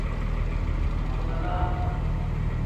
Mám to tam dát?